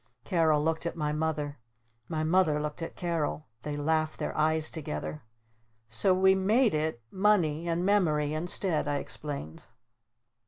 Carol looked at my Mother. My Mother looked at Carol. They laughed their eyes together. "So we made it 'Money' and 'Memory' instead," I explained.